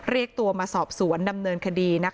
เรียกตัวมาสอบสวนดำเนินคดี